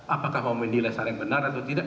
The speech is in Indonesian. apakah mau menilai cara yang benar atau tidak